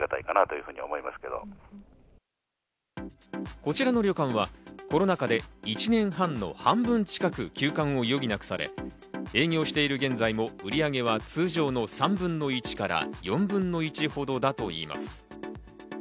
こちらの旅館はコロナ禍で１年半の半分近く休館を余儀なくされ、営業している現在も売り上げは通常の３分の１から４分の１ほどだといいます。